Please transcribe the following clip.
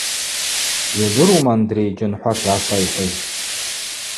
Йудырума, Андрей, Джьанхӏват йгӏасайхӏвыз?